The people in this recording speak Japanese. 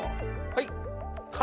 はい。